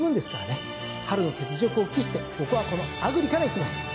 春の雪辱を期して僕はこのアグリからいきます。